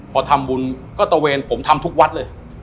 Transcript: พอทำบุญก็ตะเวนผมทำทุกวัดเลย